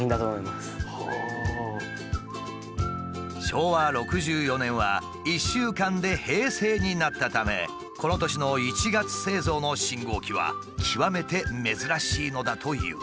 昭和６４年は１週間で平成になったためこの年の１月製造の信号機は極めて珍しいのだという。